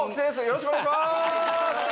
よろしくお願いします